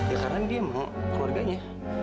ya karena dia emang keluarganya